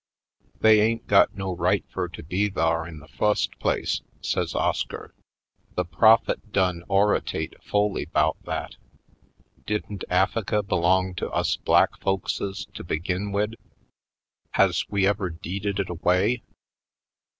''They ain't got no right fur to be thar in the fust place," says Oscar. "The Prophet done oratate fully 'bout that. Didn't Af fika belong to us black folkses to begin wid? Has we ever deeded it away?